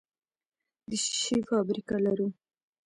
د شیشې فابریکه لرو؟